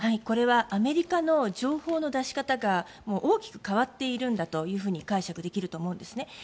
これはアメリカの情報の出し方が大きく変わっているんだと解釈できると思うんですね。